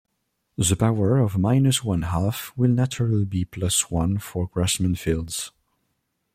The power of minus one half will naturally be plus one for Grassmann fields.